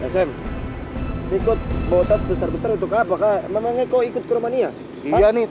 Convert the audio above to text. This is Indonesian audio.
semikut botas besar besar untuk apa kak memangnya kau ikut ke romania iya nih